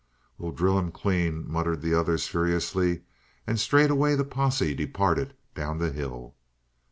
"We'll drill him clean!" muttered the others furiously, and straightway the posse departed down the hill.